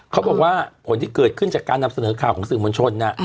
เขาบอกว่าผลที่เกิดขึ้นจากการนำเสนอข่าวของสื่อมวลชน